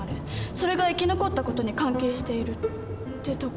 それが生き残ったことに関係している」ってところ？